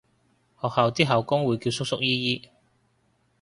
學校啲校工會叫叔叔姨姨